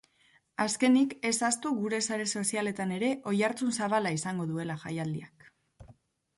Azkenik, ez ahaztu gure sare sozialetan ere oihartzun zabala izango duela jaialdiak.